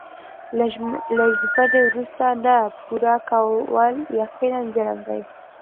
له ژمنې وروسته نه پوره کول یقیناً جرم دی.